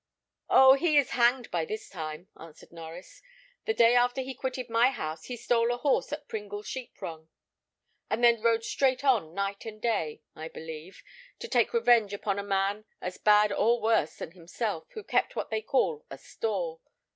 "Oh! he is hanged by this time," answered Norries. "The day after he quitted my house he stole a horse at Pringle sheep run, and then rode straight on night and day, I believe, to take revenge upon a man as bad or worse than himself, who kept what they call a store.